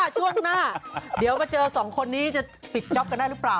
ช่วงหน้าเดี๋ยวมาเจอสองคนนี้จะปิดจ๊อปกันได้หรือเปล่า